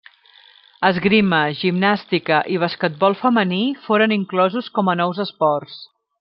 Esgrima, gimnàstica i basquetbol femení foren inclosos com a nous esports.